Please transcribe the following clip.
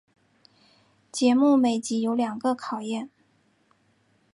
节目每集有两个考验。